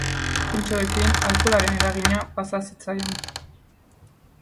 Pintxoekin alkoholaren eragina pasa zitzaion.